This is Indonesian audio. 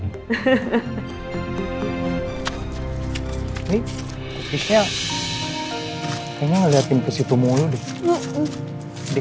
nih kugisnya kayaknya ngeliatin kesitu mulu deh